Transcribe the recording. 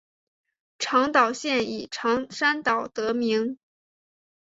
长岛县以长山岛得名。